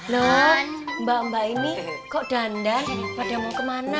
loh mbak mbak ini kok dandan pada mau kemana